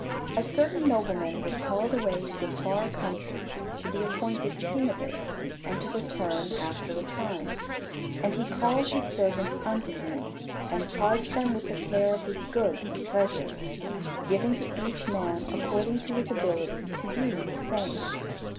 A certain nobleman was called away to a far country to be appointed king of it, and to return after a time. And he called his servants unto him, and charged them with the care of his goods and treasure, giving to each man according to his ability to use the same.